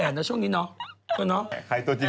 ราสีของเธอราสีตุ้นเนี่ย